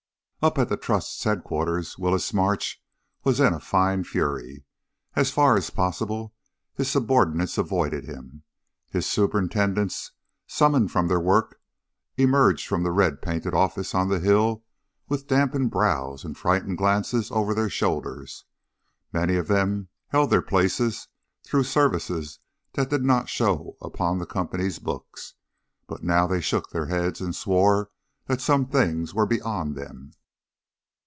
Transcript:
Up at the Trust's headquarters Willis Marsh was in a fine fury. As far as possible, his subordinates avoided him. His superintendents, summoned from their work, emerged from the red painted office on the hill with dampened brows and frightened glances over their shoulders. Many of them held their places through services that did not show upon the Company's books, but now they shook their heads and swore that some things were beyond them.